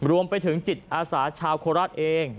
รวมไปถึงจิตอาสาชาวโคราชเอง